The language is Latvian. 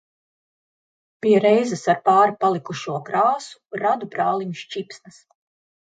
Pie reizes ar pāri palikušo krāsu radu brālim sķipsnas.